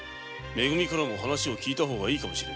め組からも話を聞いたほうがいいかもしれんな。